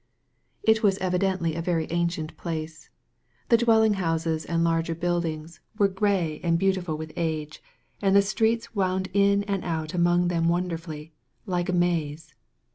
It was evidently a very ancient place. The dwelling houses and larger buildings were gray and THE VALLEY OF VISION beautiful with age, and the streets wound in and out among them wonderfully, like a masse.